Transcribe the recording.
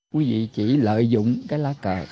quý vị chỉ lợi dụng cái lá cờ